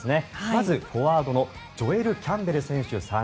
まず、フォワードのジョエル・キャンベル選手３０歳。